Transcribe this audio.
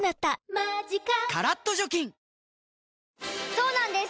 そうなんです